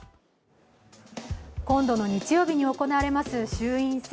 今度の日曜日に行われます衆院選。